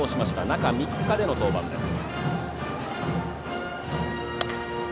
中３日での登板です。